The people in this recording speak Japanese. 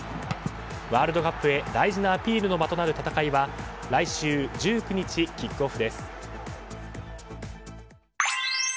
ワールドカップへ大事なアピールの場となる戦いは来週１９日キックオフです。